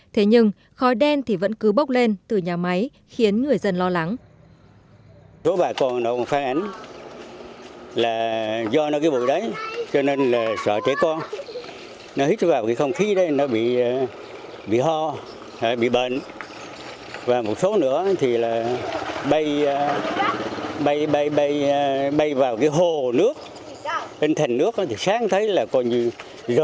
thế nhưng khói đen vẫn cứ bốc lên từ nhà máy khiến người dân lo lắng